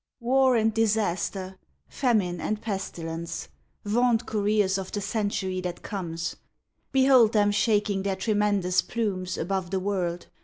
War and Disaster, Famine and Pestilence, Vaunt couriers of the Century that comes, Behold them shaking their tremendous plumes Above the world!